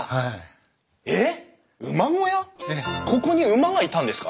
ここに馬がいたんですか？